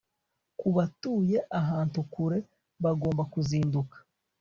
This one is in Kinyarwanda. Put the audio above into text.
Kubatuye ahantu kure bagomba kuzinduka